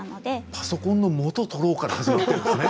パソコンのもとを取ろうから始まったんですね。